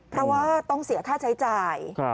เพราะว่าต้องเสียค่าใช้จ่าย